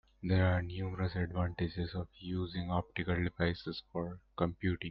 There are numerous advantages of using optical devices for computing.